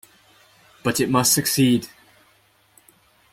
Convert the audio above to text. But it must succeed!